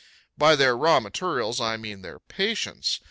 By their raw materials I mean their patients.